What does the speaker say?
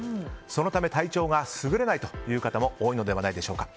そのため体調がすぐれない方も多いのではないでしょうか。